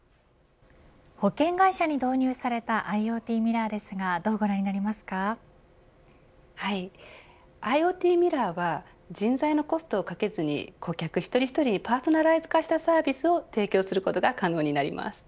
保険会社に導入されたＩｏＴミラーですがＩｏＴミラーは人材のコストをかけずに顧客一人一人にパーソナライズ化したサービスを提供することが可能になります。